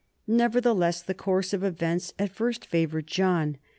Nevertheless the course of events at first favored John.